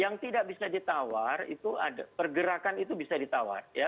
yang tidak bisa ditawar itu ada pergerakan itu bisa ditawar